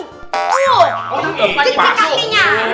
oh di tempat yang masuk